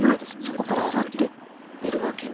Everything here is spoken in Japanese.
そこから上がっているわけね？